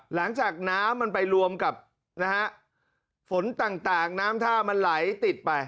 หลังจากน้ำมันไปรวมกับนะฮะฝนต่างน้ำท่ามันไหลติดไป